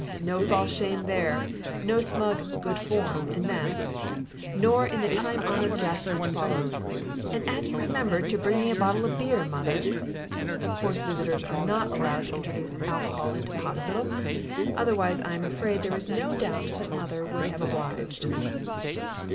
No false shame there! No smug "good form" in that nor in the time honoured jest which follows: "And 'ave you remembered to bring me a bottle of beer, mother?" (Of course visitors are not allowed to introduce alcohol into the hospital otherwise I am afraid there is no doubt that mother would have obliged.)